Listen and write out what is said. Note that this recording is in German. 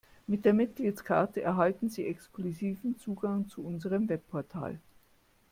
Mit der Mitgliedskarte erhalten Sie exklusiven Zugang zu unserem Webportal.